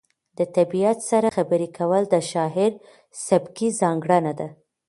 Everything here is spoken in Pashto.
د طبیعت سره خبرې کول د شاعر سبکي ځانګړنه ده.